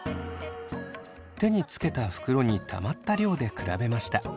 手につけた袋にたまった量で比べました。